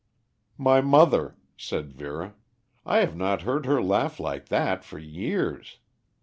"My mother," said Vera. "I have not heard her laugh like that for years.